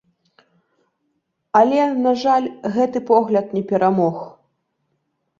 Але, на жаль, гэты погляд не перамог.